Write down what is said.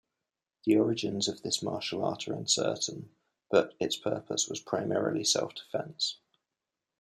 The origins of this martial art are uncertain, but its purpose was primarily self-defence.